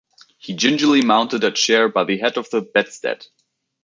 He gingerly mounted a chair by the head of the bedstead.